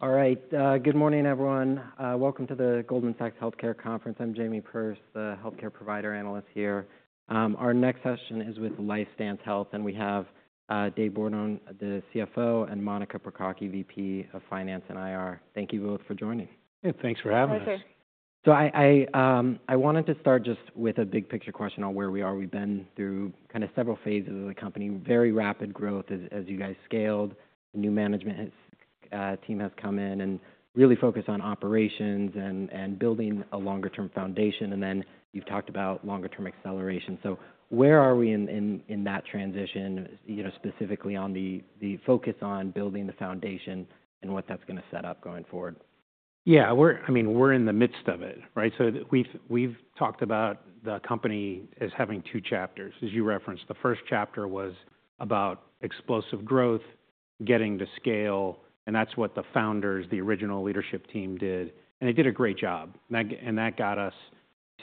All right, good morning, everyone. Welcome to the Goldman Sachs Healthcare Conference. I'm Jamie Perse, the healthcare provider analyst here. Our next session is with LifeStance Health, and we have, Dave Bourdon, the CFO, and Monica Prokocki, VP of Finance and IR. Thank you both for joining. Hey, thanks for having us. Pleasure. So I wanted to start just with a big picture question on where we are. We've been through kind of several phases of the company, very rapid growth as you guys scaled. New management team has come in and really focused on operations and building a longer-term foundation, and then you've talked about longer-term acceleration. So where are we in that transition, you know, specifically on the focus on building the foundation and what that's gonna set up going forward? Yeah, we're. I mean, we're in the midst of it, right? So we've talked about the company as having two chapters, as you referenced. The first chapter was about explosive growth, getting to scale, and that's what the founders, the original leadership team, did, and they did a great job. And that got us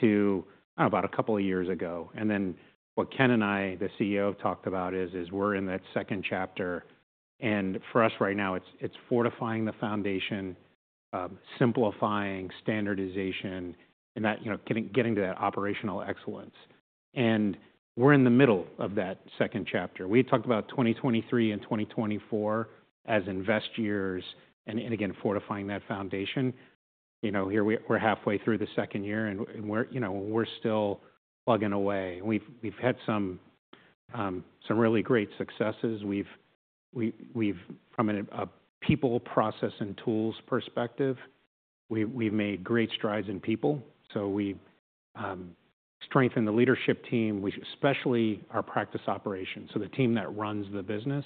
to about a couple of years ago. And then what Ken and I, the CEO, talked about is we're in that second chapter, and for us right now, it's fortifying the foundation, simplifying, standardization, and that, you know, getting to that operational excellence. And we're in the middle of that second chapter. We talked about 2023 and 2024 as invest years and again, fortifying that foundation. You know, here we're halfway through the second year, and we're, you know, we're still plugging away. We've had some really great successes. We've from a people, process, and tools perspective, we've made great strides in people. So we've strengthened the leadership team, which especially our practice operations. So the team that runs the business,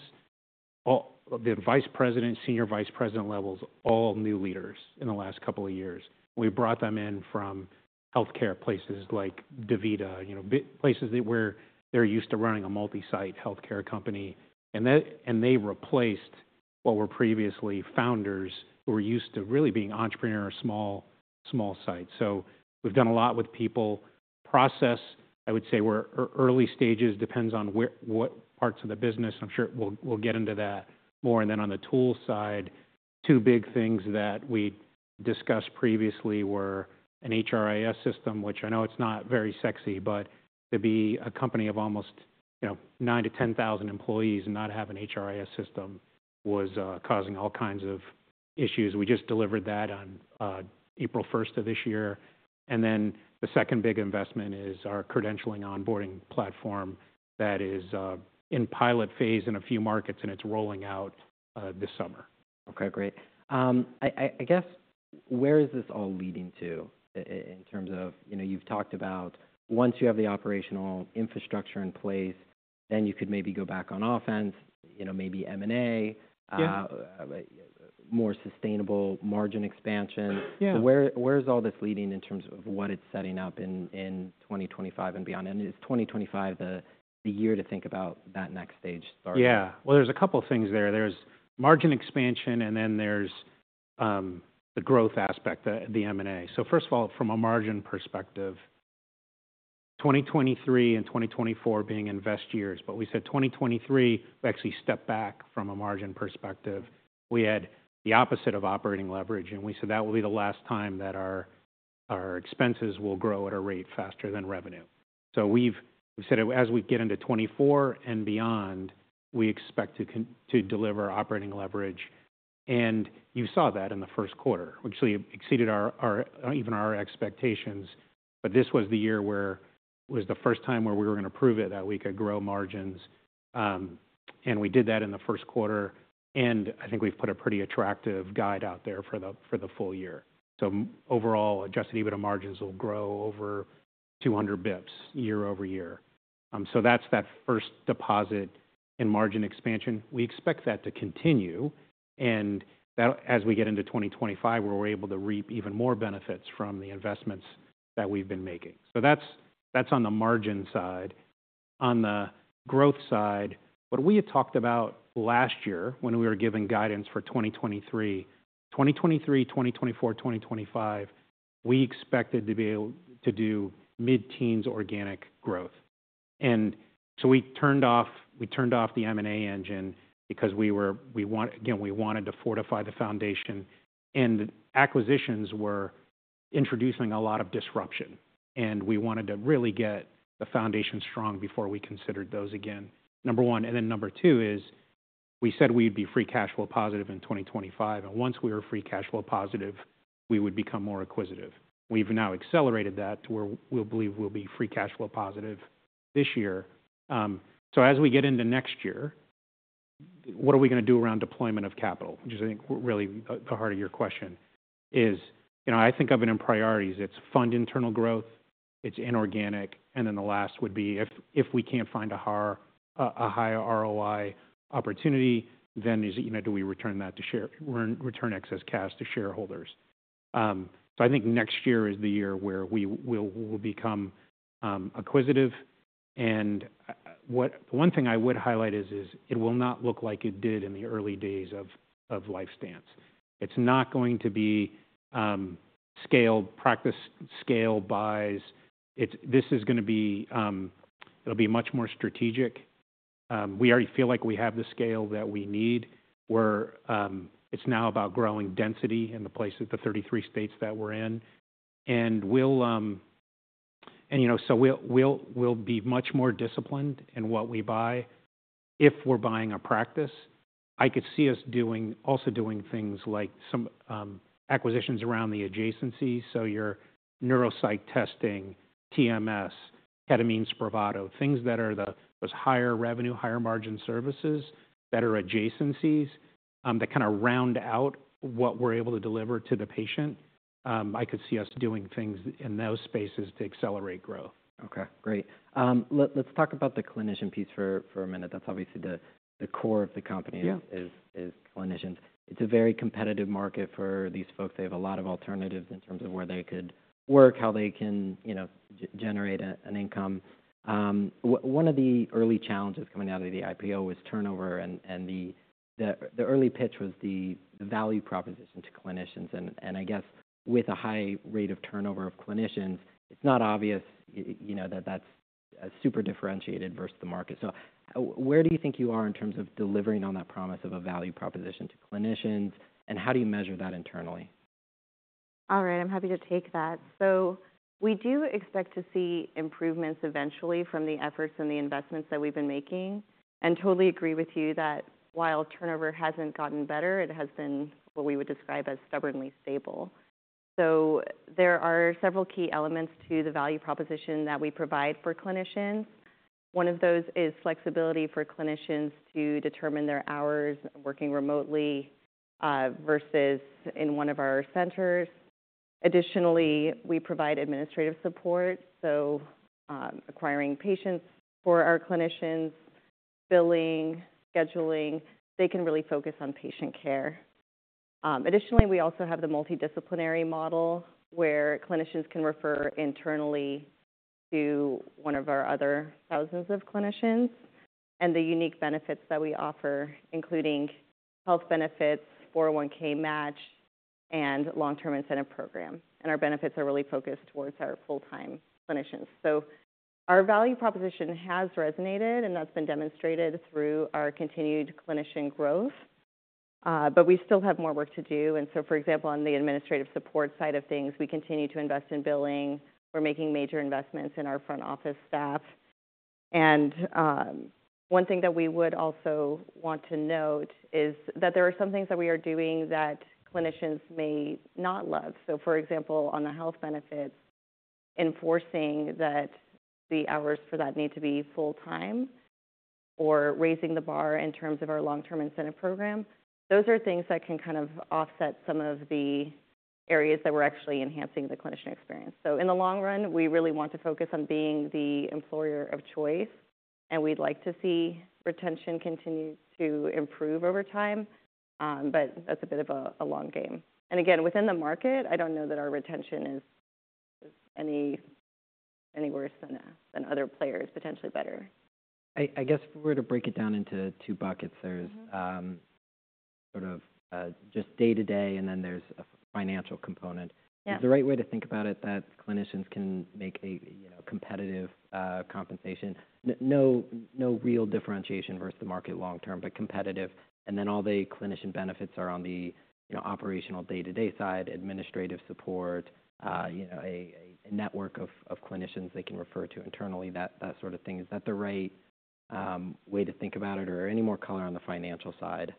all the vice president, senior vice president levels, all new leaders in the last couple of years. We brought them in from healthcare places like DaVita, you know, places that where they're used to running a multi-site healthcare company, and they replaced what were previously founders who were used to really being entrepreneur or small sites. So we've done a lot with people. Process, I would say we're early stages, depends on where, what parts of the business. I'm sure we'll get into that more. And then on the tool side, two big things that we discussed previously were an HRIS system, which I know it's not very sexy, but to be a company of almost, you know, 9 to 10 thousand employees and not have an HRIS system was causing all kinds of issues. We just delivered that on April first of this year. And then the second big investment is our credentialing onboarding platform that is in pilot phase in a few markets, and it's rolling out this summer. Okay, great. I guess, where is this all leading to in terms of, you know, you've talked about once you have the operational infrastructure in place, then you could maybe go back on offense, you know, maybe M&A, Yeah more sustainable margin expansion. Yeah. So where is all this leading in terms of what it's setting up in 2025 and beyond? And is 2025 the year to think about that next stage starting? Yeah. Well, there's a couple things there. There's margin expansion, and then there's the growth aspect, the M&A. So first of all, from a margin perspective, 2023 and 2024 being invest years, but we said 2023, we actually stepped back from a margin perspective. We had the opposite of operating leverage, and we said that will be the last time that our expenses will grow at a rate faster than revenue. So we've said as we get into 2024 and beyond, we expect to deliver operating leverage, and you saw that in the first quarter, which we exceeded our even our expectations. But this was the year where it was the first time where we were gonna prove it, that we could grow margins, and we did that in the first quarter, and I think we've put a pretty attractive guide out there for the, for the full year. So overall, Adjusted EBITDA margins will grow over 200 basis points year-over-year. So that's that first deposit in margin expansion. We expect that to continue, and that as we get into 2025, where we're able to reap even more benefits from the investments that we've been making. So that's, that's on the margin side. On the growth side, what we had talked about last year when we were giving guidance for 2023, 2024, 2025, we expected to be able to do mid-teens organic growth. So we turned off the M&A engine because we wanted to fortify the foundation, and acquisitions were introducing a lot of disruption, and we wanted to really get the foundation strong before we considered those again, number one. And then number two is we said we'd be free cash flow positive in 2025, and once we were free cash flow positive, we would become more acquisitive. We've now accelerated that to where we believe we'll be free cash flow positive this year. So as we get into next year, what are we gonna do around deployment of capital? Which is, I think, really the heart of your question is, you know, I think of it in priorities. It's fund internal growth, it's inorganic, and then the last would be, if we can't find a higher ROI opportunity, then, you know, do we return that to shareholders, return excess cash to shareholders? So I think next year is the year where we will become acquisitive. And, one thing I would highlight is, it will not look like it did in the early days of LifeStance. It's not going to be scaled, practice scaled buys. This is gonna be, it'll be much more strategic. We already feel like we have the scale that we need, where, it's now about growing density in the places, the 33 states that we're in. You know, we'll be much more disciplined in what we buy if we're buying a practice. I could see us doing things like some acquisitions around the adjacencies, so your neuropsych testing, TMS, ketamine Spravato, things that are those higher revenue, higher margin services that are adjacencies that kind of round out what we're able to deliver to the patient. I could see us doing things in those spaces to accelerate growth. Okay, great. Let's talk about the clinician piece for a minute. That's obviously the core of the company Yeah Clinicians. It's a very competitive market for these folks. They have a lot of alternatives in terms of where they could work, how they can, you know, generate an income. One of the early challenges coming out of the IPO was turnover, and the early pitch was the value proposition to clinicians. And I guess with a high rate of turnover of clinicians, it's not obvious, you know, that that's super differentiated versus the market. So where do you think you are in terms of delivering on that promise of a value proposition to clinicians, and how do you measure that internally? All right, I'm happy to take that. So we do expect to see improvements eventually from the efforts and the investments that we've been making. And totally agree with you that while turnover hasn't gotten better, it has been what we would describe as stubbornly stable. So there are several key elements to the value proposition that we provide for clinicians. One of those is flexibility for clinicians to determine their hours working remotely versus in one of our centers. Additionally, we provide administrative support, acquiring patients for our clinicians, billing, scheduling. They can really focus on patient care. Additionally, we also have the multidisciplinary model, where clinicians can refer internally to one of our other thousands of clinicians, and the unique benefits that we offer, including health benefits, 401(k) match, and long-term incentive program. And our benefits are really focused towards our full-time clinicians. So our value proposition has resonated, and that's been demonstrated through our continued clinician growth, but we still have more work to do. And so, for example, on the administrative support side of things, we continue to invest in billing. We're making major investments in our front office staff. And, one thing that we would also want to note is that there are some things that we are doing that clinicians may not love. So, for example, on the health benefits, enforcing that the hours for that need to be full-time or raising the bar in terms of our long-term incentive program, those are things that can kind of offset some of the areas that we're actually enhancing the clinician experience. So in the long run, we really want to focus on being the employer of choice, and we'd like to see retention continue to improve over time, but that's a bit of a long game. And again, within the market, I don't know that our retention is any worse than other players, potentially better. I guess if we were to break it down into two buckets, there's Mm-hmm sort of just day-to-day, and then there's a financial component. Yeah. Is the right way to think about it that clinicians can make a, you know, competitive compensation? No, no real differentiation versus the market long term, but competitive, and then all the clinician benefits are on the, you know, operational day-to-day side, administrative support, you know, a network of clinicians they can refer to internally, that sort of thing. Is that the right way to think about it, or any more color on the financial side?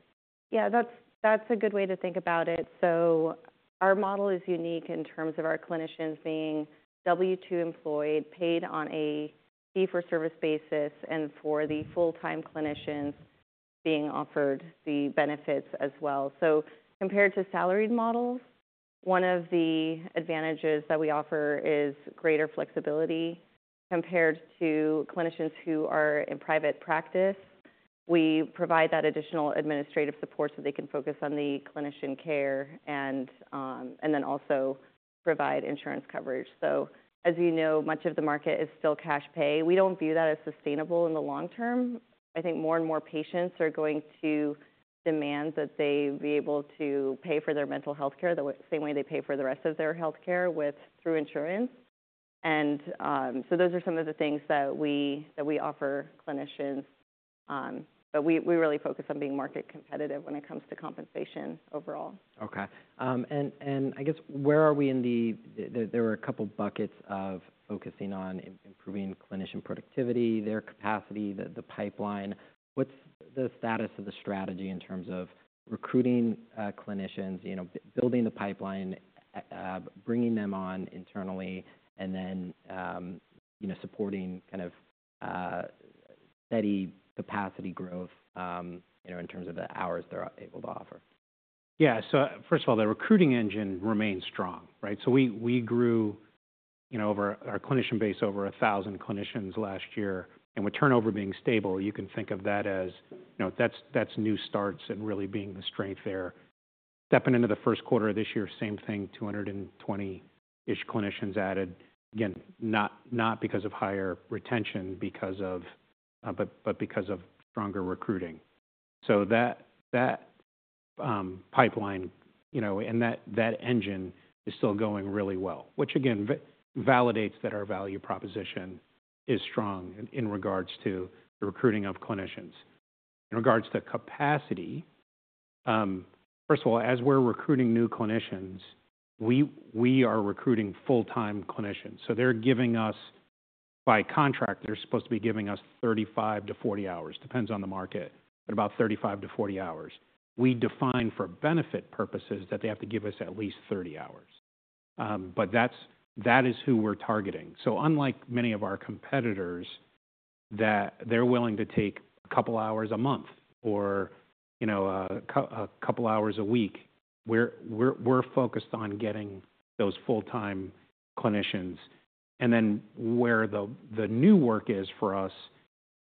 Yeah, that's, that's a good way to think about it. So our model is unique in terms of our clinicians being W-2 employed, paid on a fee-for-service basis, and for the full-time clinicians being offered the benefits as well. So compared to salaried models, one of the advantages that we offer is greater flexibility. Compared to clinicians who are in private practice, we provide that additional administrative support so they can focus on the clinician care and, and then also provide insurance coverage. So as you know, much of the market is still cash pay. We don't view that as sustainable in the long term. I think more and more patients are going to demand that they be able to pay for their mental health care the way, same way they pay for the rest of their healthcare with, through insurance. So those are some of the things that we offer clinicians, but we really focus on being market competitive when it comes to compensation overall. Okay. And I guess where are we in the... There were a couple buckets of focusing on improving clinician productivity, their capacity, the pipeline. What's the status of the strategy in terms of recruiting clinicians, you know, building the pipeline, bringing them on internally, and then, you know, supporting kind of steady capacity growth, you know, in terms of the hours they're able to offer? Yeah. So first of all, the recruiting engine remains strong, right? So we grew, you know, our clinician base over 1,000 clinicians last year. And with turnover being stable, you can think of that as, you know, that's new starts and really being the strength there. Stepping into the first quarter of this year, same thing, 220-ish clinicians added. Again, not because of higher retention, but because of stronger recruiting. So that pipeline, you know, and that engine is still going really well, which again, validates that our value proposition is strong in regards to the recruiting of clinicians. In regards to capacity, first of all, as we're recruiting new clinicians, we are recruiting full-time clinicians. So they're giving us, by contract, they're supposed to be giving us 35-40 hours, depends on the market, but about 35-40 hours. We define for benefit purposes that they have to give us at least 30 hours. But that's that is who we're targeting. So unlike many of our competitors, that they're willing to take a couple hours a month or, you know, a couple hours a week, we're focused on getting those full-time clinicians. And then where the new work is for us,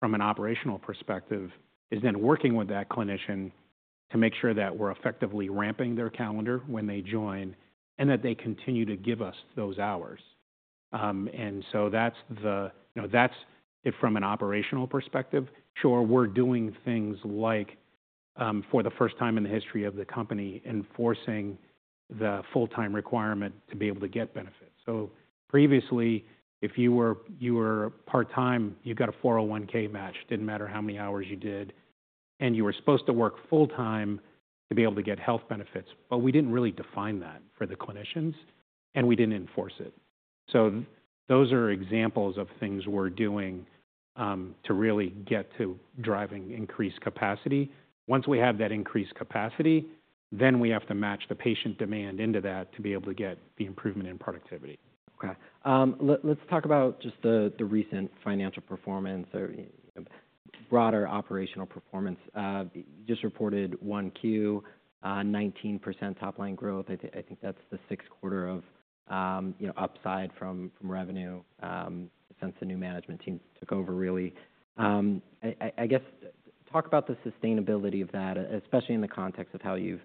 from an operational perspective, is then working with that clinician to make sure that we're effectively ramping their calendar when they join, and that they continue to give us those hours. And so that's the, you know, that's it from an operational perspective. Sure, we're doing things like, for the first time in the history of the company, enforcing the full-time requirement to be able to get benefits. So previously, if you were, you were part-time, you got a 401(k) match. Didn't matter how many hours you did, and you were supposed to work full-time to be able to get health benefits. But we didn't really define that for the clinicians, and we didn't enforce it. So those are examples of things we're doing, to really get to driving increased capacity. Once we have that increased capacity, then we have to match the patient demand into that to be able to get the improvement in productivity. Okay. Let's talk about just the recent financial performance or broader operational performance. Just reported 1Q, 19% top-line growth. I think that's the sixth quarter of, you know, upside from, from revenue, since the new management team took over, really. I guess, talk about the sustainability of that, especially in the context of how you've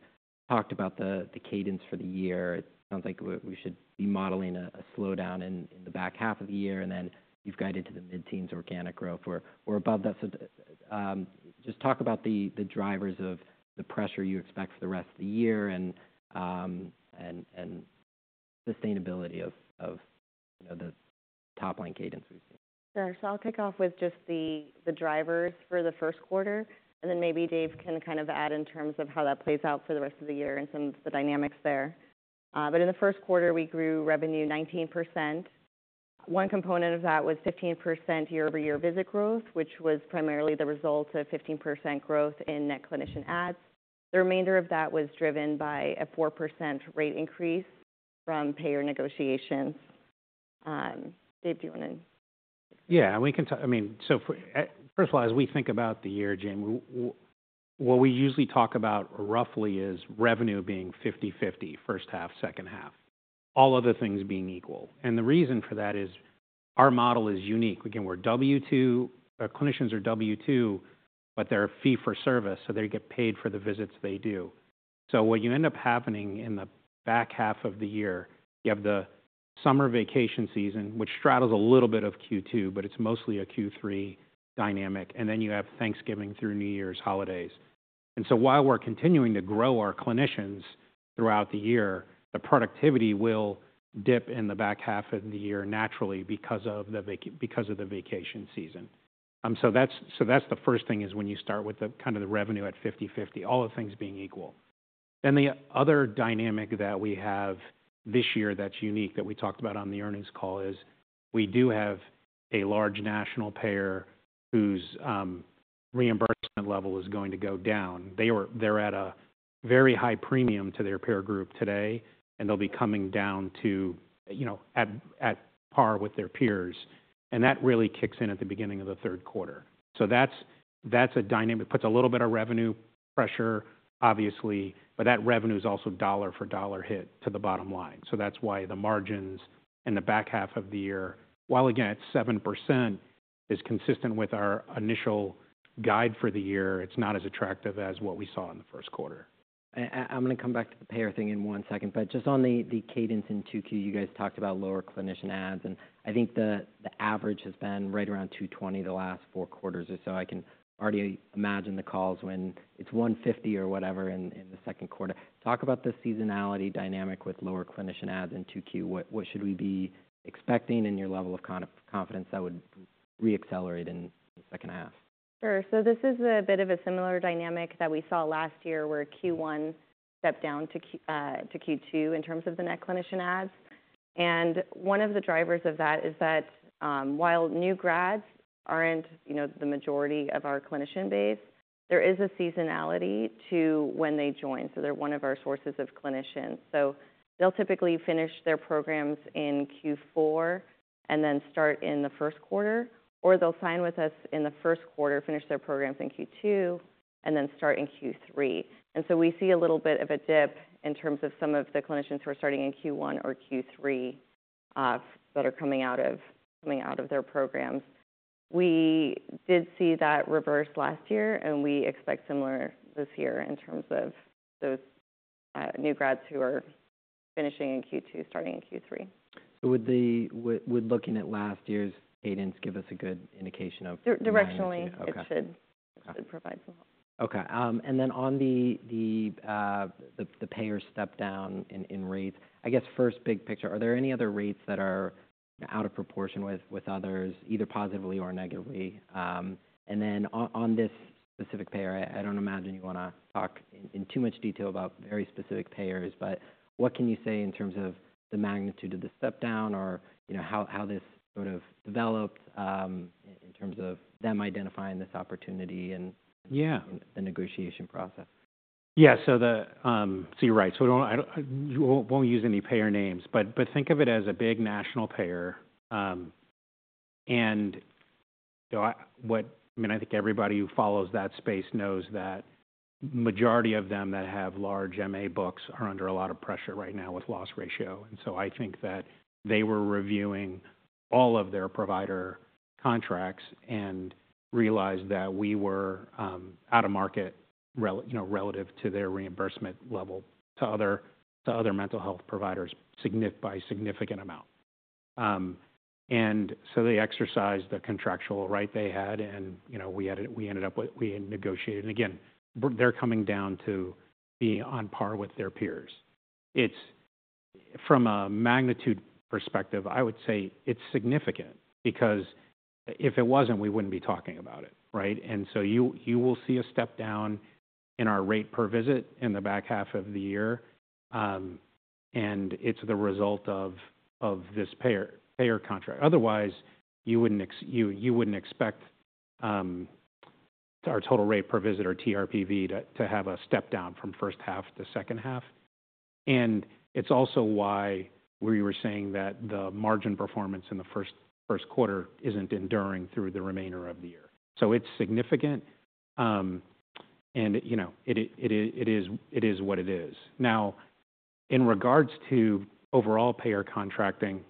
talked about the cadence for the year. It sounds like we should be modeling a slowdown in the back half of the year, and then you've guided to the mid-teens organic growth or above that. Just talk about the drivers of the pressure you expect for the rest of the year and sustainability of, you know, the top-line cadence. Sure. So I'll kick off with just the drivers for the first quarter, and then maybe Dave can kind of add in terms of how that plays out for the rest of the year and some of the dynamics there. But in the first quarter, we grew revenue 19%. One component of that was 15% year-over-year visit growth, which was primarily the result of 15% growth in net clinician adds. The remainder of that was driven by a 4% rate increase from payer negotiations. Dave, do you want to? Yeah, we can talk, I mean, so for first of all, as we think about the year, Jamie, what we usually talk about roughly is revenue being 50/50, first half, second half, all other things being equal. And the reason for that is, our model is unique. Again, we're W-2, our clinicians are W-2, but they're a fee-for-service, so they get paid for the visits they do. So what you end up happening in the back half of the year, you have the summer vacation season, which straddles a little bit of Q2, but it's mostly a Q3 dynamic, and then you have Thanksgiving through New Year's holidays. And so while we're continuing to grow our clinicians throughout the year, the productivity will dip in the back half of the year naturally because of the vacation season. So that's, so that's the first thing, is when you start with the kind of the revenue at 50/50, all things being equal. Then the other dynamic that we have this year that's unique, that we talked about on the earnings call, is we do have a large national payer whose reimbursement level is going to go down. They're at a very high premium to their peer group today, and they'll be coming down to, you know, at par with their peers, and that really kicks in at the beginning of the third quarter. So that's, that's a dynamic. It puts a little bit of revenue pressure, obviously, but that revenue is also dollar for dollar hit to the bottom line. That's why the margins in the back half of the year, while again at 7%, is consistent with our initial guide for the year. It's not as attractive as what we saw in the first quarter. I'm gonna come back to the payer thing in one second, but just on the cadence in Q2, you guys talked about lower clinician adds, and I think the average has been right around 220 the last four quarters or so. I can already imagine the calls when it's 150 or whatever in the second quarter. Talk about the seasonality dynamic with lower clinician adds in Q2. What should we be expecting in your level of confidence that would reaccelerate in the second half? Sure. So this is a bit of a similar dynamic that we saw last year, where Q1 stepped down to Q2 in terms of the net clinician adds. And one of the drivers of that is that, while new grads aren't, you know, the majority of our clinician base, there is a seasonality to when they join, so they're one of our sources of clinicians. So they'll typically finish their programs in Q4 and then start in the first quarter, or they'll sign with us in the first quarter, finish their programs in Q2, and then start in Q3. And so we see a little bit of a dip in terms of some of the clinicians who are starting in Q1 or Q3, that are coming out of their programs. We did see that reverse last year, and we expect similar this year in terms of those new grads who are finishing in Q2, starting in Q3. So would looking at last year's cadence give us a good indication of Directionally Okay. It should, it provides a lot. Okay, and then on the payer step down in rates, I guess first, big picture, are there any other rates that are out of proportion with others, either positively or negatively? And then on this specific payer, I don't imagine you wanna talk in too much detail about very specific payers, but what can you say in terms of the magnitude of the step down or, you know, how this sort of developed in terms of them identifying this opportunity and Yeah the negotiation process? Yeah, so you're right. So we won't use any payer names, but think of it as a big national payer. I mean, I think everybody who follows that space knows that the majority of them that have large MA books are under a lot of pressure right now with loss ratio. And so I think that they were reviewing all of their provider contracts and realized that we were out of market, you know, relative to their reimbursement level to other mental health providers by a significant amount. And so they exercised the contractual right they had and, you know, we negotiated. And again, but they're coming down to be on par with their peers. It's from a magnitude perspective, I would say it's significant, because if it wasn't, we wouldn't be talking about it, right? And so you will see a step down in our rate per visit in the back half of the year, and it's the result of this payer contract. Otherwise, you wouldn't expect our total rate per visit, TRPV, to have a step down from first half to second half. And it's also why we were saying that the margin performance in the first quarter isn't enduring through the remainder of the year. So it's significant, and, you know, it is what it is. Now, in regards to overall payer contracting,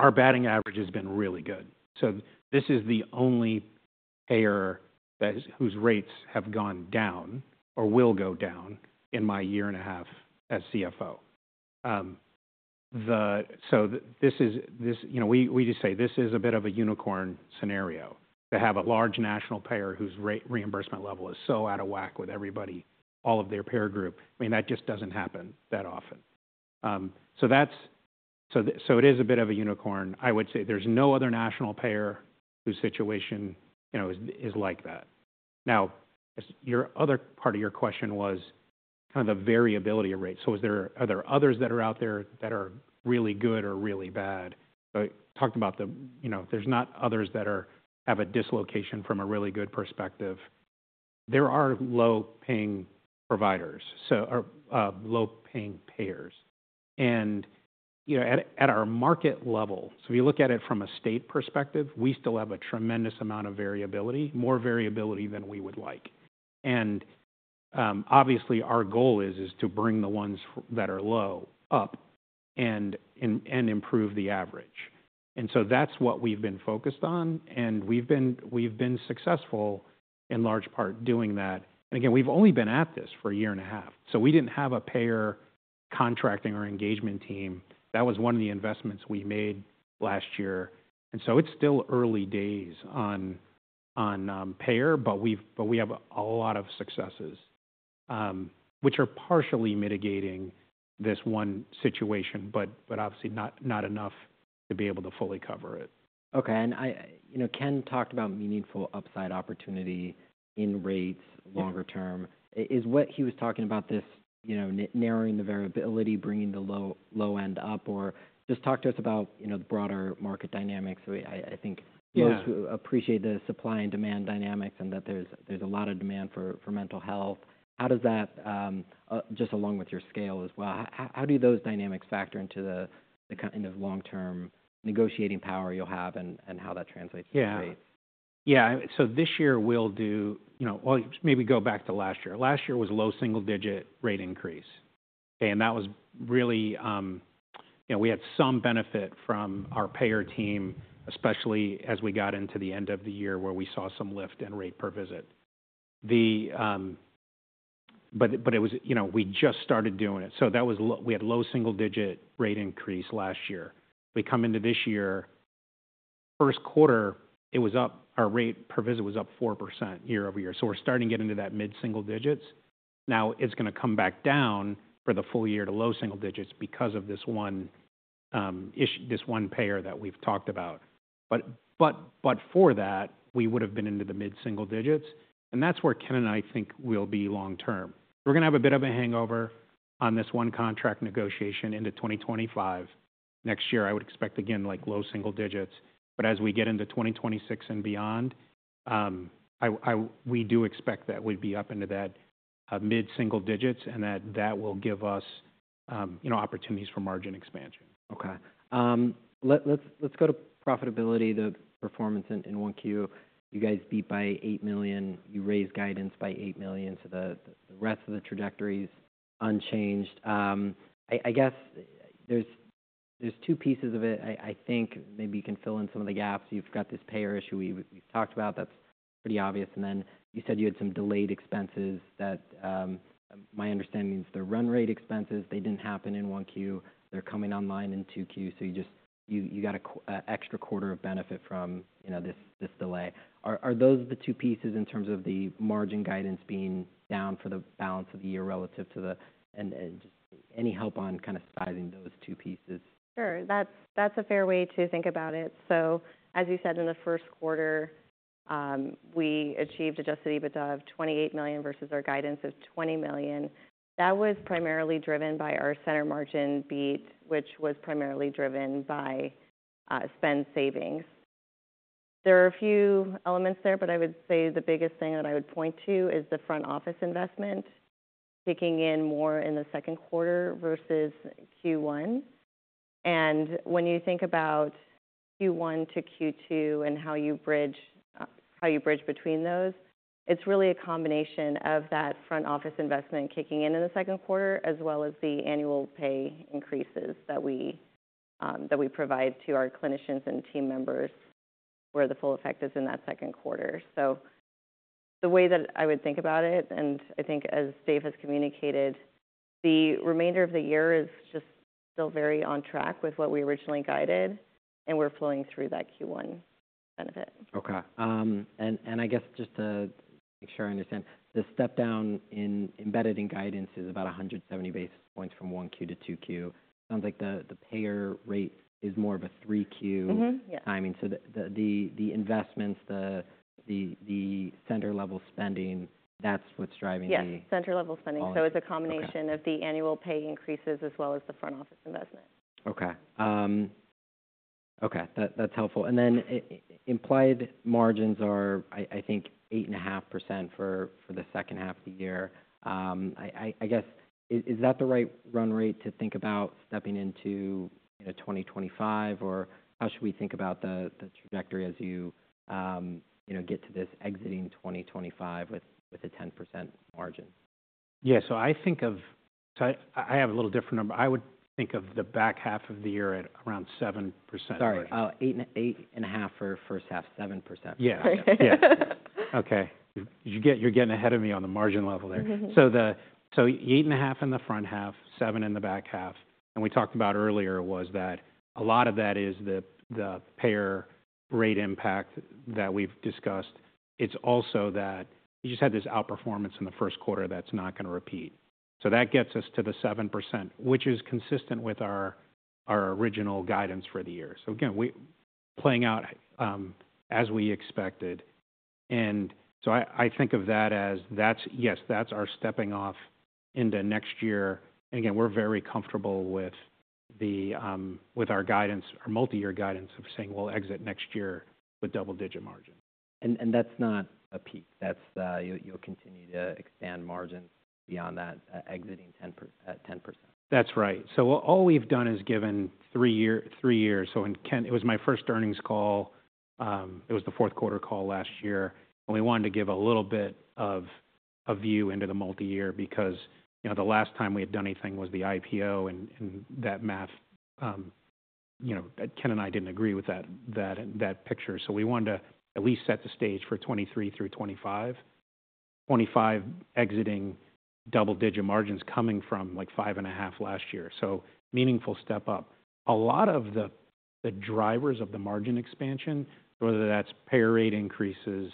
our batting average has been really good. So this is the only payer that, whose rates have gone down or will go down in my year and a half as CFO. You know, we just say this is a bit of a unicorn scenario, to have a large national payer whose rate reimbursement level is so out of whack with everybody, all of their payer group. I mean, that just doesn't happen that often. So that's, so it is a bit of a unicorn. I would say there's no other national payer whose situation, you know, is like that. Now, your other part of your question was kind of the variability of rates. So is there, are there others that are out there that are really good or really bad? I talked about the, you know, there's not others that are have a dislocation from a really good perspective. There are low-paying providers, so or low-paying payers. And, you know, at, at our market level, so if you look at it from a state perspective, we still have a tremendous amount of variability, more variability than we would like. And, obviously, our goal is, is to bring the ones that are low up, and improve the average. And so that's what we've been focused on, and we've been, we've been successful, in large part, doing that. And again, we've only been at this for a year and a half, so we didn't have a payer contracting or engagement team. That was one of the investments we made last year, and so it's still early days on payer, but we have a lot of successes, which are partially mitigating this one situation, but obviously not enough to be able to fully cover it. Okay, and I, you know, Ken talked about meaningful upside opportunity in rates Yeah longer term. Is what he was talking about this, you know, narrowing the variability, bringing the low, low end up, or just talk to us about, you know, the broader market dynamics. I, I think Yeah Most people appreciate the supply and demand dynamics and that there's a lot of demand for mental health. How does that, just along with your scale as well, how do those dynamics factor into the kind of long-term negotiating power you'll have and how that translates to date? Yeah. Yeah, so this year we'll do, you know... Well, maybe go back to last year. Last year was low single-digit rate increase. Okay, and that was really, you know, we had some benefit from our payer team, especially as we got into the end of the year, where we saw some lift in rate per visit. The, but, but it was, you know, we just started doing it, so that was we had low single-digit rate increase last year. We come into this year, first quarter, it was up, our rate per visit was up 4% year-over-year. So we're starting to get into that mid single digits. Now, it's gonna come back down for the full year to low single digits because of this one, this one payer that we've talked about. But, but, but before that, we would've been into the mid single digits, and that's where Ken and I think we'll be long term. We're gonna have a bit of a hangover on this one contract negotiation into 2025. Next year, I would expect, again, like, low single digits, but as we get into 2026 and beyond, we do expect that we'd be up into that, mid single digits, and that will give us, you know, opportunities for margin expansion. Okay. Let's go to profitability, the performance in 1Q. You guys beat by $8 million, you raised guidance by $8 million, so the rest of the trajectory is unchanged. I guess there's two pieces of it. I think maybe you can fill in some of the gaps. You've got this payer issue we've talked about, that's pretty obvious. And then you said you had some delayed expenses that, my understanding is they're run rate expenses. They didn't happen in 1Q, they're coming online in 2Q, so you just got a quarter extra of benefit from, you know, this delay. Are those the two pieces in terms of the margin guidance being down for the balance of the year relative to the, And just any help on kind of sizing those two pieces? Sure. That's a fair way to think about it. So as you said, in the first quarter, we achieved Adjusted EBITDA of $28 million versus our guidance of $20 million. That was primarily driven by our center margin beat, which was primarily driven by spend savings. There are a few elements there, but I would say the biggest thing that I would point to is the front office investment, kicking in more in the second quarter versus Q1. And when you think about Q1 to Q2 and how you bridge between those, it's really a combination of that front office investment kicking in in the second quarter, as well as the annual pay increases that we provide to our clinicians and team members, where the full effect is in that second quarter. So the way that I would think about it, and I think as Dave has communicated, the remainder of the year is just still very on track with what we originally guided, and we're flowing through that Q1 benefit. Okay. And I guess just to make sure I understand, the step down embedded in guidance is about 170 basis points from 1Q to 2Q. Sounds like the payer rate is more of a 3Q- Mm-hmm. Yeah. Timing. So the investments, the center level spending, that's what's driving the- Yes, center level spending. All of it. So it's a combination Okay of the annual pay increases as well as the front office investment. Okay. Okay, that's helpful. And then implied margins are, I think, 8.5% for the second half of the year. I guess, is that the right run rate to think about stepping into, you know, 2025? Or how should we think about the trajectory as you, you know, get to this exiting 2025 with a 10% margin? Yeah. So I have a little different number. I would think of the back half of the year at around 7%. Sorry, 8, 8.5 for first half, 7%. Yeah. Yeah. Okay. You're getting ahead of me on the margin level there. Mm-hmm. So, 8.5 in the front half, 7 in the back half, and we talked about earlier was that a lot of that is the payer rate impact that we've discussed. It's also that you just had this outperformance in the first quarter that's not gonna repeat. So that gets us to the 7%, which is consistent with our original guidance for the year. So again, we're playing out as we expected. And so I think of that as that's yes, that's our stepping off into next year. Again, we're very comfortable with our guidance or multi-year guidance of saying we'll exit next year with double-digit margins. That's not a peak, that's you'll continue to expand margins beyond that, exiting 10% at 10%? That's right. So what all we've done is given 3-year, 3 years. So when Ken... It was my first earnings call, it was the fourth quarter call last year, and we wanted to give a little bit of a view into the multiyear because, you know, the last time we had done anything was the IPO, and, and that math, you know, Ken and I didn't agree with that, that, that picture. So we wanted to at least set the stage for 2023 through 2025. 2025 exiting double-digit margins coming from, like, 5.5% last year, so meaningful step up. A lot of the drivers of the margin expansion, whether that's payer rate increases,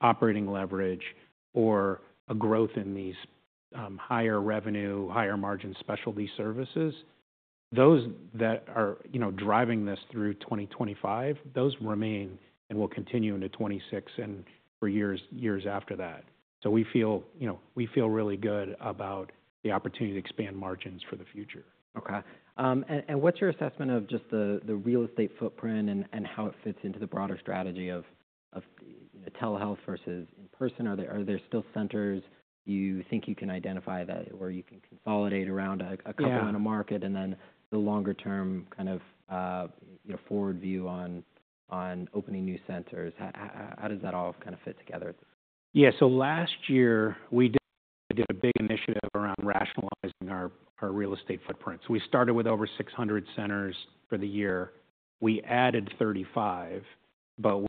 operating leverage, or a growth in these higher revenue, higher-margin specialty services, those that are, you know, driving this through 2025, those remain and will continue into 2026 and for years, years after that. So we feel, you know, we feel really good about the opportunity to expand margins for the future. Okay. And what's your assessment of just the real estate footprint and how it fits into the broader strategy of telehealth versus in-person? Are there still centers you think you can identify that, or you can consolidate around a, a Yeah couple in a market, and then the longer term kind of, you know, forward view on opening new centers? How does that all kind of fit together? Yeah. So last year, we did a big initiative around rationalizing our real estate footprint. So we started with over 600 centers for the year. We added 35, but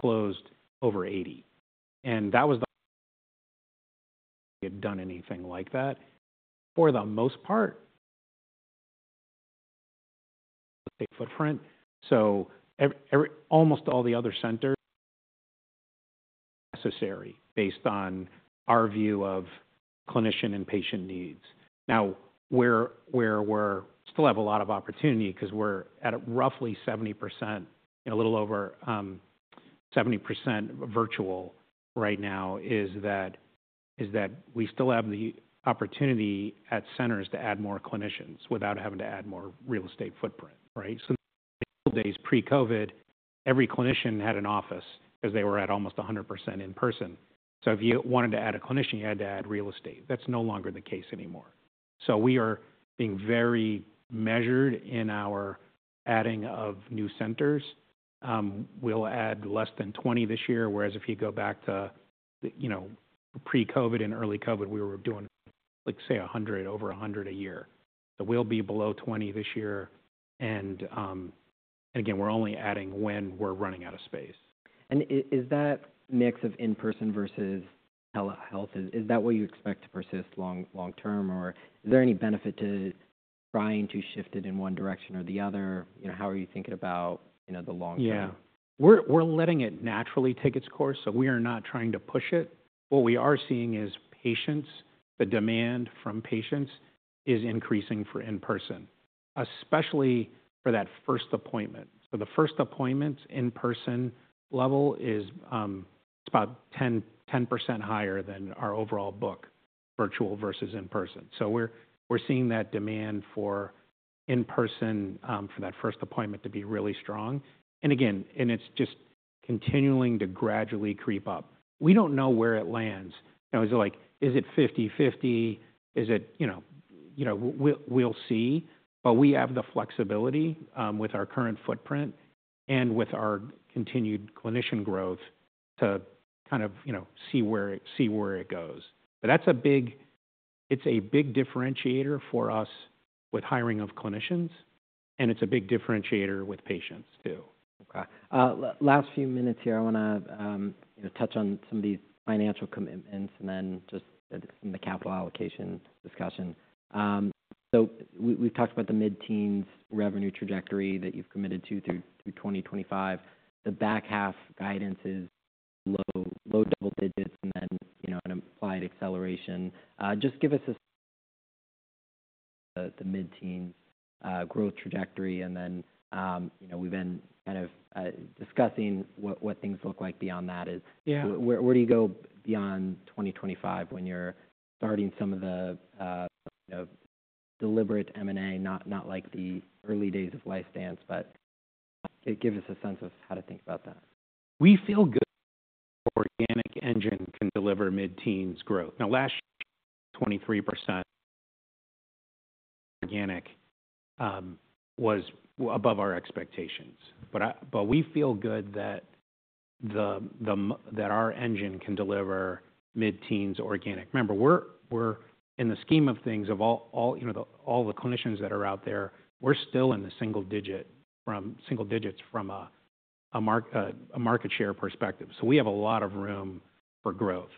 closed over 80, and that was the first we had done anything like that. For the most part, footprint, so almost all the other centers necessary based on our view of clinician and patient needs. Now, we still have a lot of opportunity, 'cause we're at roughly 70%, a little over 70% virtual right now, that is we still have the opportunity at centers to add more clinicians without having to add more real estate footprint, right? So days pre-COVID, every clinician had an office because they were at almost 100% in person. So if you wanted to add a clinician, you had to add real estate. That's no longer the case anymore. So we are being very measured in our adding of new centers. We'll add less than 20 this year, whereas if you go back to, you know, pre-COVID and early COVID, we were doing, like, say, 100, over 100 a year. So we'll be below 20 this year, and, again, we're only adding when we're running out of space. Is that mix of in-person versus telehealth, is that what you expect to persist long term, or is there any benefit to trying to shift it in one direction or the other? You know, how are you thinking about, you know, the long term? Yeah. We're letting it naturally take its course, so we are not trying to push it. What we are seeing is patients, the demand from patients, is increasing for in-person, especially for that first appointment. So the first appointments in-person level is, it's about 10, 10% higher than our overall book, virtual versus in-person. So we're seeing that demand for in-person, for that first appointment to be really strong. And again, and it's just continuing to gradually creep up. We don't know where it lands. You know, is it like, is it 50/50? Is it... You know, we'll see. But we have the flexibility, with our current footprint and with our continued clinician growth to kind of, you know, see where it goes. It's a big differentiator for us with hiring of clinicians, and it's a big differentiator with patients, too. Okay. Last few minutes here, I wanna, you know, touch on some of these financial commitments and then just the capital allocation discussion. So we, we've talked about the mid-teens revenue trajectory that you've committed to through 2025. The back half guidance is low double digits and then, you know, an implied acceleration. Just give us the mid-teen growth trajectory, and then, you know, we've been kind of discussing what things look like beyond that. Yeah. Where do you go beyond 2025 when you're starting some of the, you know, deliberate M&A, not like the early days of LifeStance, but it gives us a sense of how to think about that? We feel good organic engine can deliver mid-teens growth. Now, last 23% organic was above our expectations. But but we feel good that that our engine can deliver mid-teens organic. Remember, we're, we're in the scheme of things, of all, all, you know, all the clinicians that are out there, we're still in the single digit from single digits from a, a mark a market share perspective, so we have a lot of room for growth.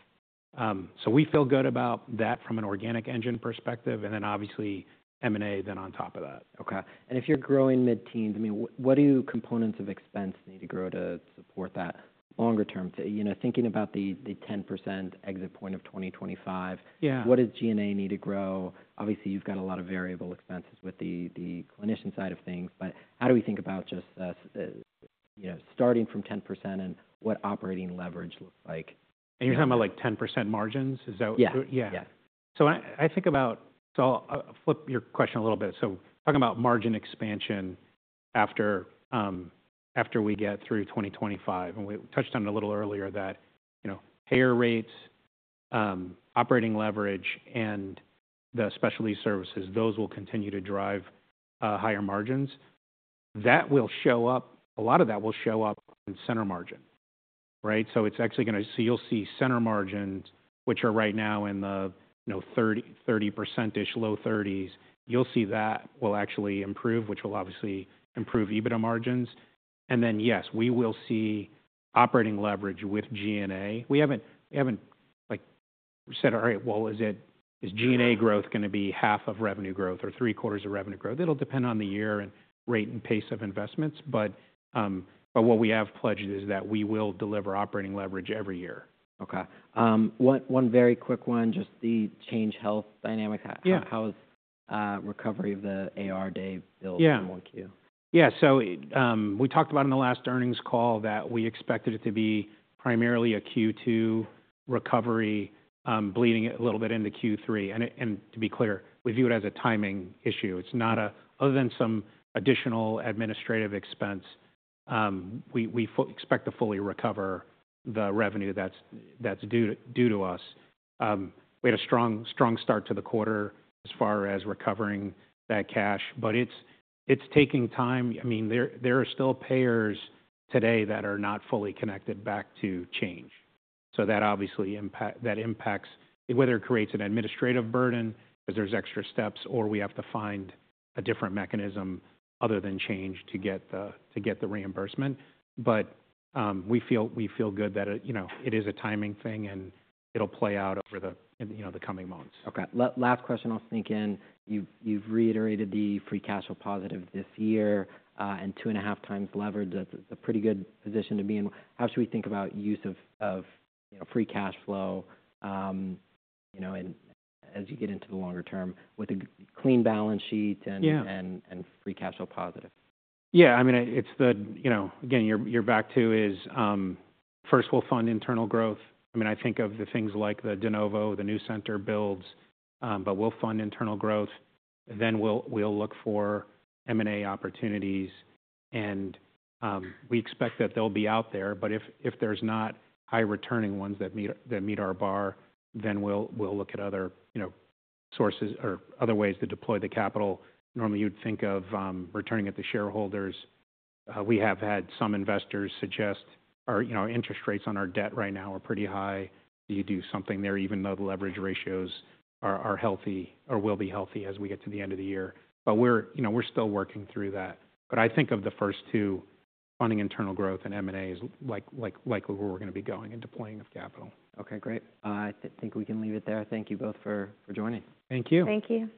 So we feel good about that from an organic engine perspective, and then obviously M&A, then on top of that. Okay. If you're growing mid-teens, I mean, what do components of expense need to grow to support that longer term? You know, thinking about the 10% exit point of 2025- Yeah. What does G&A need to grow? Obviously, you've got a lot of variable expenses with the clinician side of things, but how do we think about just, you know, starting from 10% and what operating leverage looks like? You're talking about, like, 10% margins? Is that Yeah. Yeah. Yeah. So I think about, so I'll flip your question a little bit. So talking about margin expansion after, after we get through 2025, and we touched on it a little earlier, that, you know, payer rates, operating leverage, and the specialty services, those will continue to drive higher margins. That will show up. A lot of that will show up in center margin, right? So it's actually gonna... So you'll see center margins, which are right now in the, you know, 30, 30%ish, low 30s. You'll see that will actually improve, which will obviously improve EBITDA margins. And then, yes, we will see operating leverage with G&A. We haven't, like, said, "All right, well, is it, is G&A growth gonna be half of revenue growth or three-quarters of revenue growth?" It'll depend on the year and rate and pace of investments, but, but what we have pledged is that we will deliver operating leverage every year. Okay. One very quick one, just the Change Health dynamic. Yeah. How is recovery of the AR days build Yeah from Q? Yeah. So, we talked about in the last earnings call that we expected it to be primarily a Q2 recovery, bleeding it a little bit into Q3. And to be clear, we view it as a timing issue. It's not a. Other than some additional administrative expense, we expect to fully recover the revenue that's due to us. We had a strong start to the quarter as far as recovering that cash, but it's taking time. I mean, there are still payers today that are not fully connected back to Change. So that obviously impacts whether it creates an administrative burden, because there's extra steps, or we have to find a different mechanism other than Change to get the reimbursement. We feel, we feel good that it, you know, it is a timing thing, and it'll play out over the, you know, the coming months. Okay. Last question I'll sneak in. You've reiterated the free cash flow positive this year, and 2.5 times leverage. That's a pretty good position to be in. How should we think about use of, you know, free cash flow, you know, and as you get into the longer term with a clean balance sheet and Yeah and free cash flow positive? Yeah, I mean, it's the, you know, again, you're, you're back to is, first we'll fund internal growth. I mean, I think of the things like the de novo, the new center builds, but we'll fund internal growth, then we'll, we'll look for M&A opportunities, and, we expect that they'll be out there. But if, if there's not high-returning ones that meet, that meet our bar, then we'll, we'll look at other, you know, sources or other ways to deploy the capital. Normally, you'd think of, returning it to shareholders. We have had some investors suggest our, you know, interest rates on our debt right now are pretty high. You do something there, even though the leverage ratios are, are healthy or will be healthy as we get to the end of the year. But we're, you know, we're still working through that. But I think of the first two, funding internal growth and M&A, is like, like, likely where we're gonna be going in deploying of capital. Okay, great. I think we can leave it there. Thank you both for, for joining. Thank you. Thank you.